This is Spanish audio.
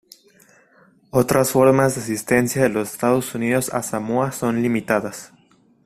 Otras formas de asistencia de los Estados Unidos a Samoa son limitadas.